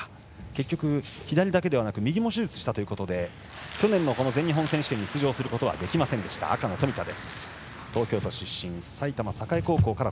結局、左だけではなく右も手術したということで去年の全日本選手権に出場することはできませんでした赤の冨田。